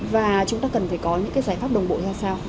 và chúng ta cần phải có những cái giải pháp đồng bộ ra sao